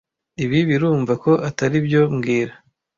Ibi birumva ko atari byo mbwira